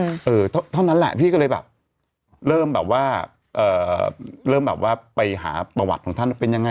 เออเท่านั้นแหละพี่ก็เลยแบบเริ่มแบบว่าเอ่อเริ่มแบบว่าไปหาประวัติของท่านว่าเป็นยังไง